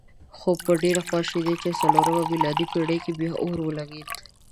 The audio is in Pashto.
خو په ډېرې خواشینۍ چې په څلورمه میلادي پېړۍ کې بیا اور ولګېد.